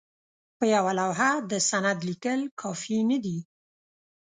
په یوه لوحه د سند لیکل کافي نه دي.